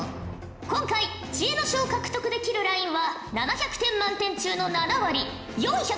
今回知恵の書を獲得できるラインは７００点満点中の７割４９０ほぉじゃ。